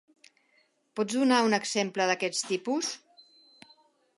Pots donar un exemple d'aquest tipus?